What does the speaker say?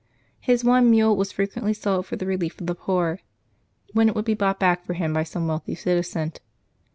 His one mule was fre quently sold for the relief of the poor, when it would be bought back for him by some wealthy citizen.